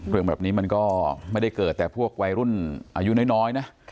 เรื่องแบบนี้มันก็ไม่ได้เกิดแต่พวกวัยรุ่นอายุน้อยนะ